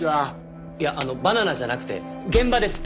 いやあのバナナじゃなくて現場です。